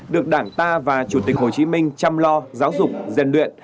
được đảng ta và chủ tịch hồ chí minh chăm lo giáo dục rèn luyện